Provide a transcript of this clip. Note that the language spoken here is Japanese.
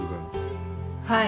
はい。